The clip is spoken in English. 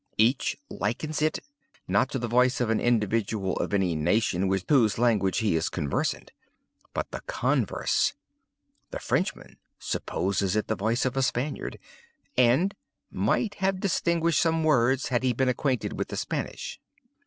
Each likens it—not to the voice of an individual of any nation with whose language he is conversant—but the converse. The Frenchman supposes it the voice of a Spaniard, and 'might have distinguished some words _had he been acquainted with the Spanish.